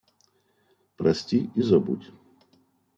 Прости и забудь.